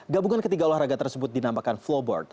gabungan ketiga olahraga tersebut dinamakan flowboard